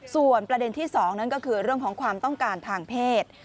ส่วนประเด็นที่๒นั่นก็คือเรื่องของความต้องการทางเพศ